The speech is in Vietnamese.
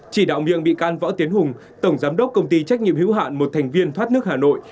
chỉ đạo miệng bị can võ tiến hùng tổng giám đốc công ty trách nhiệm hữu hạn một thành viên thoát nước hà nội